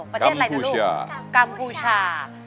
ประเทศอะไรนะลูกกัมพูชา